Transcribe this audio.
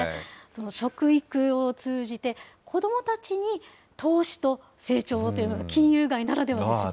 食育を通じて、子どもたちに投資と成長をというふうな金融街ならではですよね。